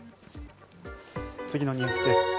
次のニュースです。